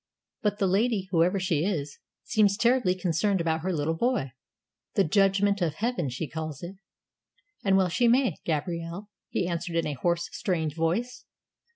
"But the lady whoever she is, seems terribly concerned about her little boy. The judgment of Heaven, she calls it." "And well she may, Gabrielle," he answered in a hoarse strained voice.